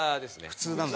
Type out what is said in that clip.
普通なんだ！